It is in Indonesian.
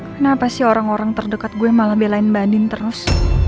kenapa sih orang orang terdekat gue malah belain mbak nin terus